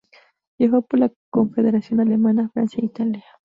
Viajó por la Confederación Alemana, Francia e Italia.